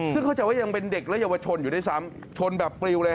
ซึ่งเข้าใจว่ายังเป็นเด็กและเยาวชนอยู่ด้วยซ้ำชนแบบปลิวเลย